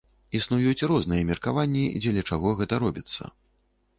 Існуюць розныя меркаванні, дзеля чаго гэта робіцца.